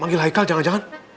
manggil haikal jangan jangan